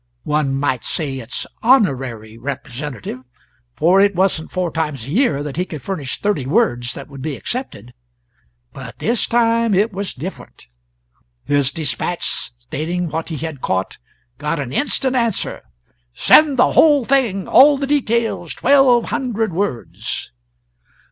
One might say its honorary representative, for it wasn't four times a year that he could furnish thirty words that would be accepted. But this time it was different. His despatch stating what he had caught got an instant answer: "Send the whole thing all the details twelve hundred words."